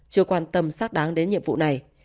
chưa quan tâm sát đáng đến nhiệm vụ này